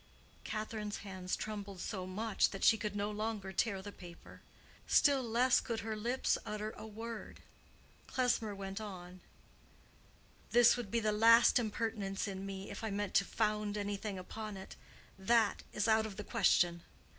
Catherine's hands trembled so much that she could no longer tear the paper: still less could her lips utter a word. Klesmer went on, "This would be the last impertinence in me, if I meant to found anything upon it. That is out of the question.